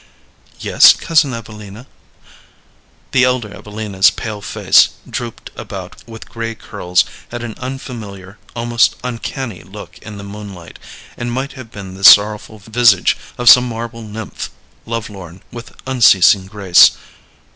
"Yes, Cousin Evelina." The elder Evelina's pale face, drooped about with gray curls, had an unfamiliar, almost uncanny, look in the moonlight, and might have been the sorrowful visage of some marble nymph, lovelorn, with unceasing grace.